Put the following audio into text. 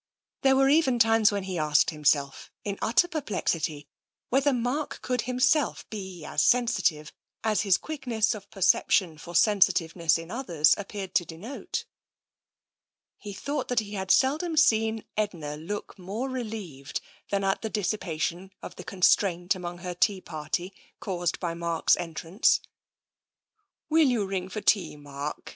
There were even times when he asked himself, in utter per plexity, whether Mark could himself be as sensitive as his quickness of perception for sensitiveness in others appeared to denote. He thought that he had seldom seen Edna look more TENSION 39 relieved than at the dissipation of the constraint amongst her tea party, caused by Mark's entrance. "Will you ring for tea, Mark?"